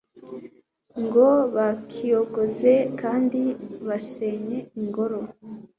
ngo bakiyogoze kandi basenye ingoro